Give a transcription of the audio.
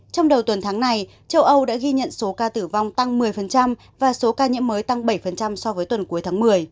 trong đầu tuần tháng này châu âu đã ghi nhận số ca tử vong tăng một mươi và số ca nhiễm mới tăng bảy so với tuần cuối tháng một mươi